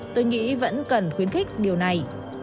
tôi nghĩ vẫn cần khuyến khích điều này